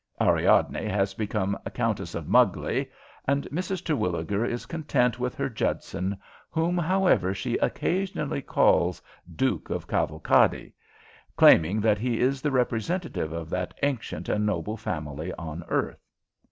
Ariadne has become Countess of Mugley, and Mrs. Terwilliger is content with her Judson, whom, however, she occasionally calls Duke of Cavalcadi, claiming that he is the representative of that ancient and noble family on earth.